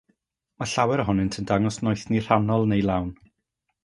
Mae llawer ohonynt yn dangos noethni rhannol neu lawn.